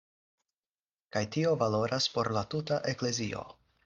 Kaj tio valoras por la tuta eklezio.